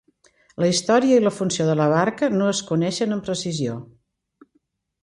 La història i la funció de la barca no es coneixen amb precisió.